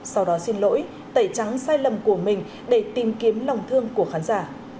sau đó xin lỗi tẩy trắng sai lầm của mình để tìm kiếm lòng thương của khán giả